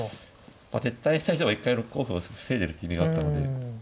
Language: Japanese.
撤退した以上は一回６五歩を防いでるって意味があったので。